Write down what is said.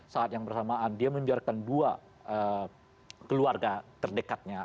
saat yang bersamaan dia membiarkan dua keluarga terdekatnya